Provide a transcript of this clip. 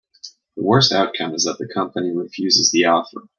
The worst outcome is that the company refuses the offer.